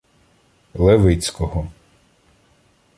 Левицького.